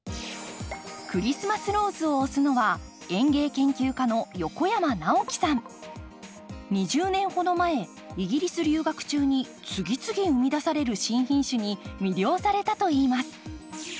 クリスマスローズを推すのは２０年ほど前イギリス留学中に次々生み出される新品種に魅了されたといいます。